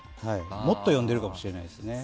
もっと読んでいるかもしれないですね。